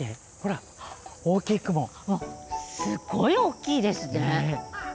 すっごい大きいですね。